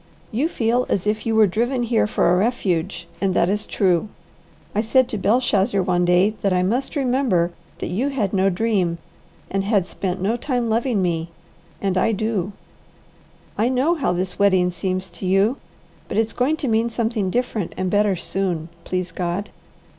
You feel as if you were driven here for a refuge, and that is true. I said to Belshazzar one day that I must remember that you had no dream, and had spent no time loving me, and I do I know how this wedding seems to you, but it's going to mean something different and better soon, please God.